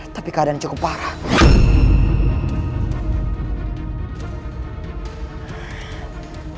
tapi keadaan cukup parah